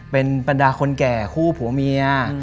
เป็นบรรดาคนแก่คู่ผัวเมีย